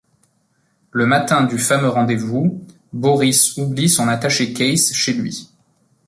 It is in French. Le matin du fameux rendez-vous, Boris oublie son attaché-case chez lui.